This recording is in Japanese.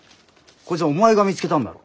こいつはお前が見つけたんだろ？